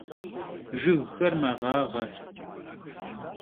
Jjıgxer meğağe.